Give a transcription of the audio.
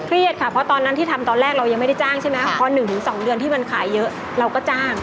ค่ะเพราะตอนนั้นที่ทำตอนแรกเรายังไม่ได้จ้างใช่ไหมพอ๑๒เดือนที่มันขายเยอะเราก็จ้าง